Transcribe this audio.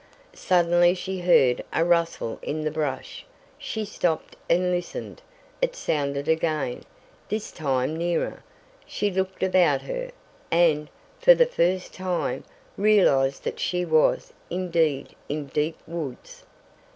Suddenly she heard a rustle in the brush. She stopped and listened. It sounded again, this time nearer. She looked about her, and, for the first time, realized that she was, indeed, in deep woods.